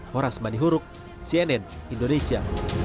horas manihuruk cnn indonesia